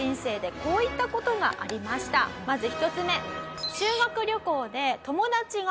まず１つ目。